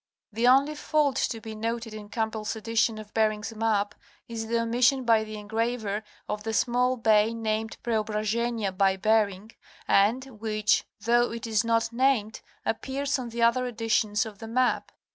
The only fault to be noted in Campbell's edition of Bering's map is the omission by the engraver of the small bay named Preobrazhenia by Bering and which, though it is not named, appears on the other editions of the map.